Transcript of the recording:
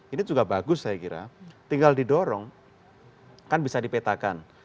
ini juga bagus saya kira tinggal didorong kan bisa dipetakan